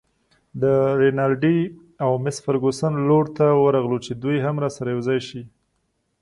د رینالډي او مس فرګوسن لور ته ورغلو چې دوی هم راسره یوځای شي.